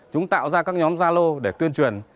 chúng tạo ra các nhóm gia lô để tuyên truyền